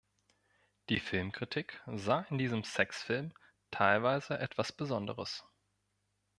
Die Filmkritik sah in diesem Sexfilm teilweise etwas Besonderes.